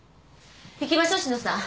行きましょう志乃さん。